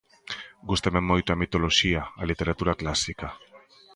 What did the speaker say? Gústame moito a mitoloxía, a literatura clásica.